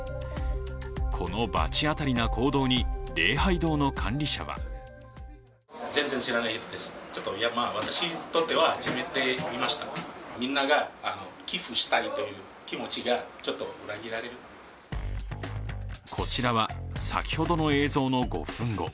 この罰当たりな行動に礼拝堂の管理者はこちらは先ほどの映像の５分後。